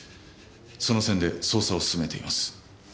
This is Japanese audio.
その線で捜査を進めています。